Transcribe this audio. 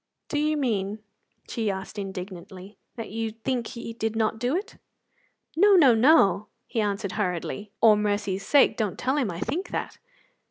"Do you mean," she asked indignantly, "that you think he did not do it?" "No, no, no," he answered hurriedly; "or mercy's sake, don't tell him I think that."